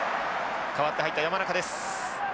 代わって入った山中です。